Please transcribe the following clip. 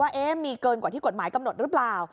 ว่ามีเกินกว่าที่กฎหมายกำหนดหรือเปล่า